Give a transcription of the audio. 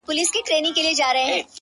• تیاري رخصتوم دي رباتونه رڼاکیږي,